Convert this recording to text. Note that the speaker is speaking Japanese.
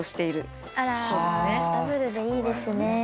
あらダブルでいいですね。